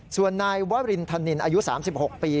ส่วนนายวรินธนินอายุ๓๖ปี